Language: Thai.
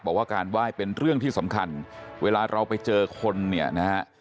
บอกว่าการไหว้เป็นเรื่องที่สำคัญเวลาเราไปเจอคนเนี่ยนะฮะ